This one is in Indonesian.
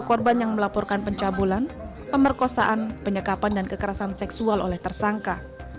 korban yang melaporkan pencabulan pemerkosaan penyekapan dan kekerasan seksual oleh tersangka